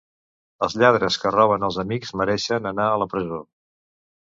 Els lladres que roben als amics mereixen anar a la presó.